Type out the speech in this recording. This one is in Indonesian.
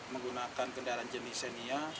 menggunakan kendaraan jenis ini